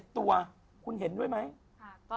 ตัวคุณเห็นด้วยไหม